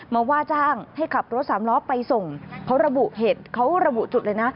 ว่าจ้างให้ขับรถสามล้อไปส่งเขาระบุเหตุเขาระบุจุดเลยนะ